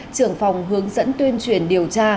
trưởng phòng hướng dẫn tuyên truyền điều tra